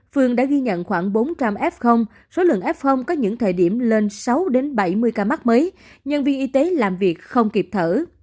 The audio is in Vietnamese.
khi nhận khoảng bốn trăm linh f số lượng f có những thời điểm lên sáu đến bảy mươi ca mắc mấy nhân viên y tế làm việc không kịp thở